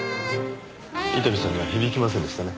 伊丹さんには響きませんでしたね。